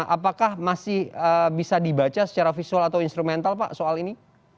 apakah masih bisa dibaca secara visual atau instrumental pak soal ini